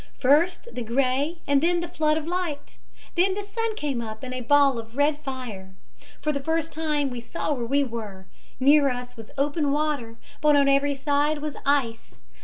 First the gray and then the flood of light. Then the sun came up in a ball of red fire. For the first time we saw where we were. Near us was open water, but on every side was ice.